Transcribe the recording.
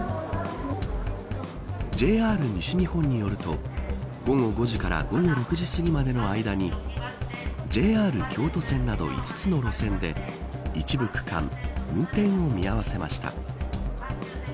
ＪＲ西日本によると午後５時から午後６時すぎまでの間にＪＲ京都線など５つの路線で一部区間運転を見合わせました。